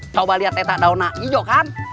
coba lihat ini daun ijo kan